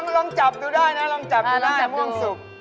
ลองจับดูได้นะลองจับดูได้ม่วงสุก